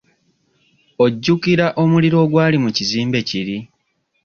Ojjukira omuliro ogwali mu kizimbe kiri?